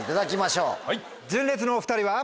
純烈のお２人は。